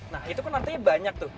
nah itu kan artinya banyak tuh